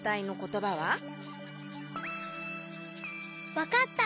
わかった！